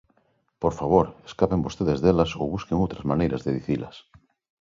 ¡Por favor, escapen vostedes delas ou busquen outras maneiras de dicilas!